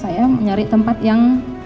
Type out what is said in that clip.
saya mencari tempat yang